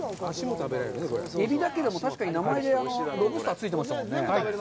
エビだけでも名前にロブスター、ついてましたもんね。